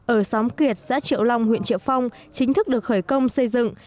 ở xóm kiệt xã triệu long huyện triệu phong chính thức được khởi công xây dựng